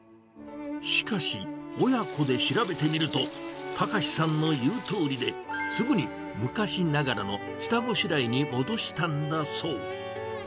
しかし、親子で調べてみると、崇さんの言うとおりで、すぐに昔ながらの下ごしらえに戻したんだそう。